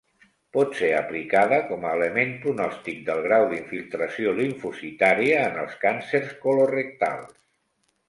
Pot ser aplicada com a element pronòstic del grau d'infiltració limfocitària en els càncers colorectals.